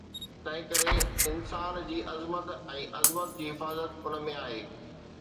تنهن ڪري انسان جي عظمت ۽ عظمت جي حفاظت ان ۾ آهي